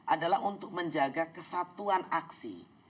adalah untuk menjaga kesatuan aksi